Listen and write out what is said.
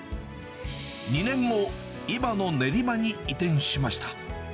２年後、今の練馬に移転しました。